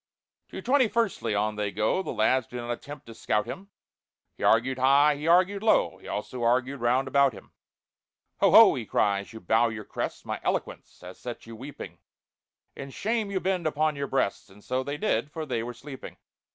To "Twenty firstly" on they go, The lads do not attempt to scout him; He argued high, he argued low, He also argued round about him. "Ho, ho!" he cries, "you bow your crests— My eloquence has set you weeping; In shame you bend upon your breasts!" (And so they did, for they were sleeping.)